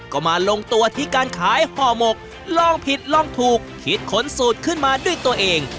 ก็มาลงตัวที่การขายห่อหมกลองผิดลองถูกคิดขนสูตรขึ้นมาด้วยตัวเอง